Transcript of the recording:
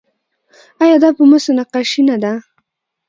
آیا دا په مسو نقاشي نه ده؟